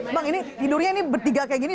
bang ini tidurnya ini bertiga kayak gini